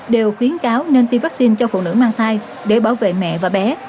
đều khuyến cáo nên tiêm vaccine cho phụ nữ mang thai để bảo vệ mẹ và bé